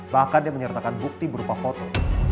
bahkan dia menyertakan bukti berupa foto